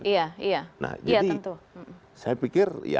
jadi saya pikir